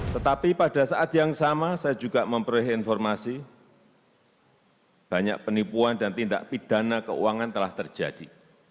tetapi pada saat yang sama saya juga memperoleh informasi banyak penipuan dan tindak pidana keuangan telah terjadi